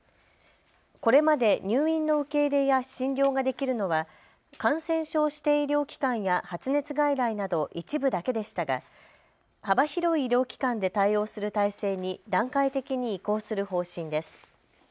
これまで入院の受け入れや診療ができるのは感染症指定医療機関や発熱外来など一部だけでしたが幅広い医療機関で対応する体制に段階的に移行する方針です。